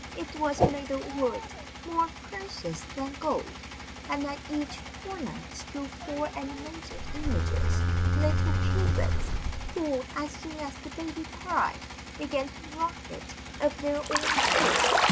It was made of wood more precious than gold, and at each corner stood four animated images, little cupids, who, as soon as the baby cried, began to rock it of their own accord.